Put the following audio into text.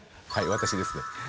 私ですね。